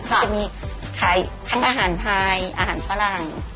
ก็จะมีขายทั้งอาหารไทยอาหารฝรั่ง